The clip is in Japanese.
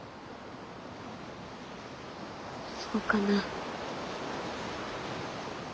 そうかな。